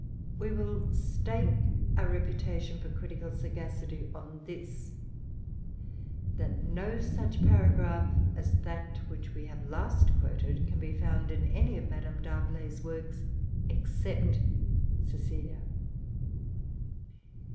We will stake our reputation for critical sagacity on this, that no such paragraph as that which we have last quoted can be found in any of Madame D'Arblay's works except Cecilia.